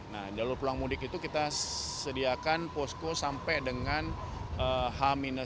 nah jalur pulang mudik itu kita sediakan posko sampai dengan h satu